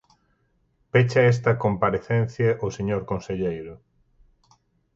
Pecha esta comparecencia o señor conselleiro.